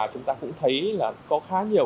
chúng ta cũng thấy là có khá nhiều